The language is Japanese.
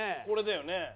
「これだよね」